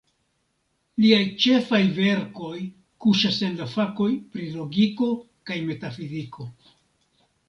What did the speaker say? Liaj ĉefaj verkoj kuŝas en la fakoj pri logiko kaj metafiziko.